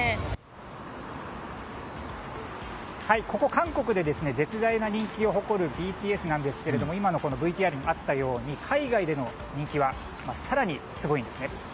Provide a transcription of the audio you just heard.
韓国で絶大な人気を誇るＢＴＳですが今のＶＴＲにもあったように海外での人気は更にすごいんですね。